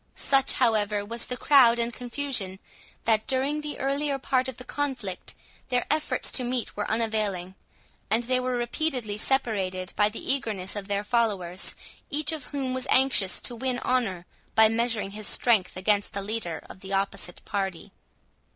Such, however, was the crowd and confusion, that, during the earlier part of the conflict, their efforts to meet were unavailing, and they were repeatedly separated by the eagerness of their followers, each of whom was anxious to win honour, by measuring his strength against the leader of the opposite party.